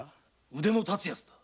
腕の立つヤツだ。